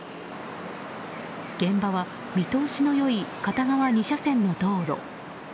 現場は見通しの良い片側２車線の道路。